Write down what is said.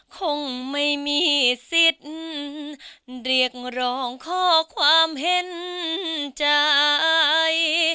คงไม่มีสิทธิ์เรียกร้องข้อความเห็นใจ